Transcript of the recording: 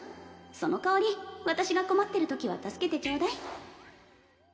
その代わり私が困ってるときは助けてちょうだい